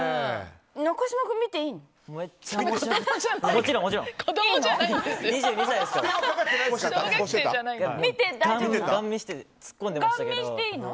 中島君、見ていいの？